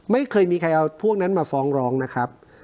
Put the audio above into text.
ไม่เคยมีใครเอาพวกนั้นมาฟ้องร้องนะครับ